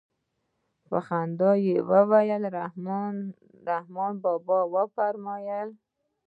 په خندا يې وويل رحمان بابا فرمايي.